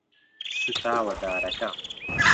سوتاوە دارەکە.